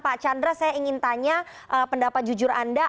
pak chandra saya ingin tanya pendapat jujur anda